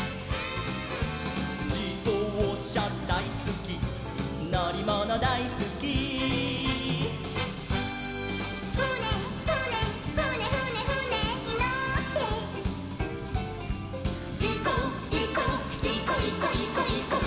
「じどうしゃだいすきのりものだいすき」「ふねふねふねふねふねにのって」「いこいこいこいこいこいこみなみのしままで」